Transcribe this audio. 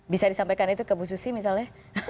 bisa disampaikan itu ke bu susi misalnya